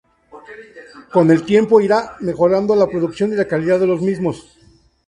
Con el tiempo iría mejorando la producción y la calidad de los mismos.